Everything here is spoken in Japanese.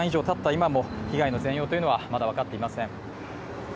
今も被害の全容というのはまだ分かっていません。